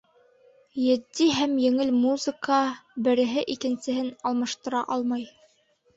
Етди һәм еңел музыка береһе икенсеһен алмаштыра алмай